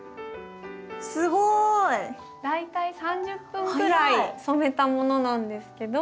すごい！大体３０分くらい染めたものなんですけど。